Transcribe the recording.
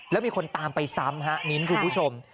แล้วมีคนตามไปซ้ำฮะมิ้นคุณผู้ชม